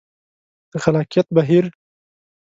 د خلاقیت بهیر